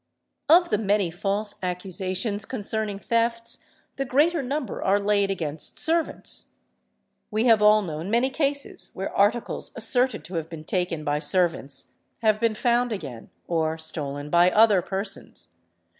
Of the many false accusations concerning thefts, the greater number are laid against servants; we have all known many cases where articles asserted to have been taken by servants have been found again or stolen by other persons.